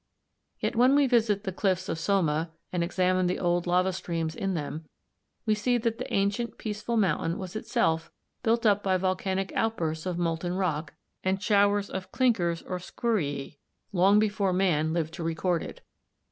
Yet when we visit the cliffs of Somma, and examine the old lava streams in them, we see that the ancient peaceful mountain was itself built up by volcanic outbursts of molten rock, and showers of clinkers or scoriæ, long before man lived to record it.